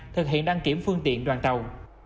thực hiện đăng kiểm phương tiện đoàn tàu